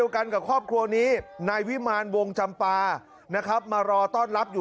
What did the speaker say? กันกับครอบครัวนี้นายวิมารวงจำปานะครับมารอต้อนรับอยู่